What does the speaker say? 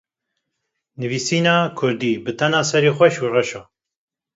Nivîsîna kurdî bi tena serê xwe şoreş e.